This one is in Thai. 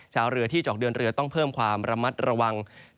ชาวเรือที่จะออกเดินเรือต้องเพิ่มความระมัดระวัง